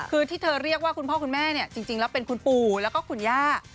คือที่เธอเรียกว่าคุณพ่อคุณแม่เนี่ยจริงแล้วเป็นคุณปู่แล้วก็คุณย่า